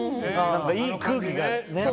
いい空気がね。